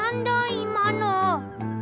いまの！